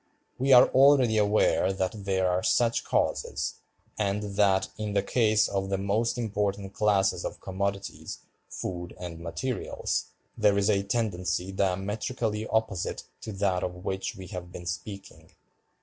We are already aware that there are such causes, and that, in the case of the most important classes of commodities, food, and materials, there is a tendency diametrically opposite to that of which we have been speaking.